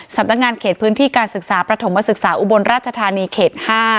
สำนักงานเขตพื้นที่การศึกษาประถมศึกษาอุบลราชธานีเขต๕